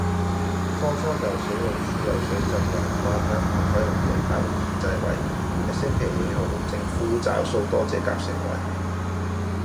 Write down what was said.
方艙又死老鼠又水浸又唔啱香港規格嘅大陸電掣位，一星期起好，政府找數多謝夾盛惠